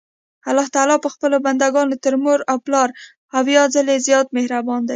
الله تعالی په خپلو بندګانو تر مور او پلار اويا ځلي زيات مهربان دي.